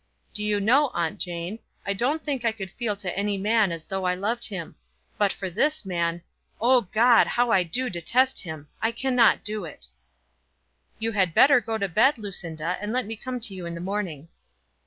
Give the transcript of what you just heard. "Do you know, Aunt Jane, I don't think I could feel to any man as though I loved him. But for this man, Oh God, how I do detest him! I cannot do it." "You had better go to bed, Lucinda, and let me come to you in the morning."